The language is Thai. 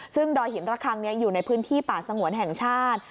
ซึ่งดอยหินระคังอยู่ในพื้นที่ป่าสงวนแห่งชาติ